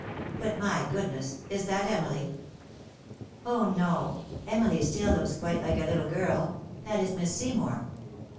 But my goodness ! is that Emily ?"" Oh no ! Emily still looks quite like a little girl ; that is Miss Seymour."